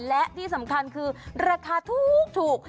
และที่สำคัญคือราคาถูก